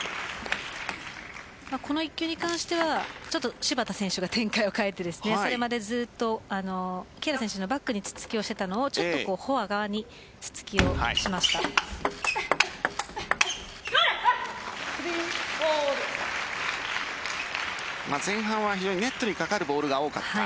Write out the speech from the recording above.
この１球に関しては芝田選手が展開を変えてそれまでずっと木原選手のバックにツッツキをしていたのをちょっとフォア側にツッツキをしました。